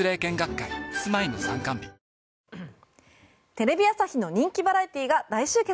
テレビ朝日の人気バラエティーが大集結。